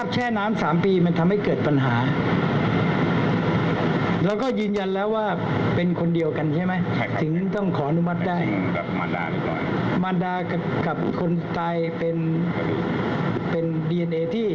ทั้งทุกการเดียวกัน